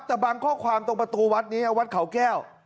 แต่บางข้อความตรงประตูวัดนี้วัดเขาแก้ว